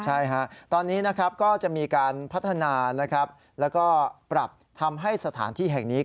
ใช่ตอนนี้ก็จะมีการพัฒนาและปรับทำให้สถานที่แห่งนี้